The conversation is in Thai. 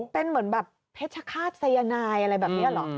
เป็นเหมือนแบบเพชรฆาตสายนายอะไรแบบนี้เหรอ